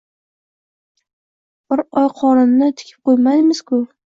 Bir oy qorinni tikib qoʻymaymiz-ku